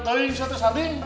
tadi bisa tersanding